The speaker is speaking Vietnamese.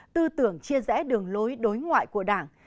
tư tưởng chia rẽ đường lối đối ngoại của đảng